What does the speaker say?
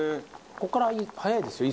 ここから早いですよ。